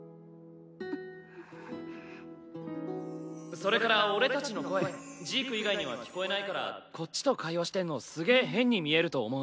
それから俺たちの声ジーク以外には聞こえないからこっちと会話してんのすげぇ変に見えると思う。